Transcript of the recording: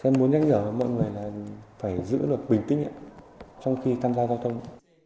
em muốn nhắc nhở mọi người là phải giữ được bình tĩnh trong khi tham gia giao thông